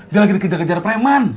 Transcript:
dia lagi dikejar kejar preman